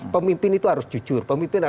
pemimpin itu harus jujur